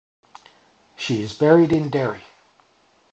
She is buried in Derry.